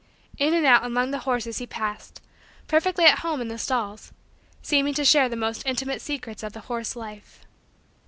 In and out among the horses he passed, perfectly at home in the stalls, seeming to share the most intimate secrets of the horse life.